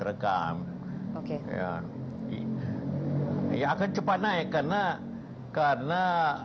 rekam oke ya akan cepat naik karena karena